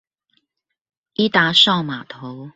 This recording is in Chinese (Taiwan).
伊達邵碼頭